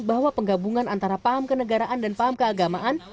bahwa penggabungan antara paham kenegaraan dan paham keagamaan